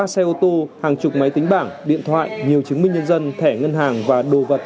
ba xe ô tô hàng chục máy tính bảng điện thoại nhiều chứng minh nhân dân thẻ ngân hàng và đồ vật